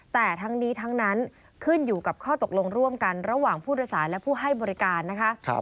แต่ทั้งนี้ทั้งนั้นขึ้นอยู่กับข้อตกลงร่วมกันระหว่างผู้โดยสารและผู้ให้บริการนะคะ